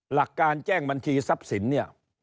หลักการแจ้งบัญชีทรัพย์สินเนี่ย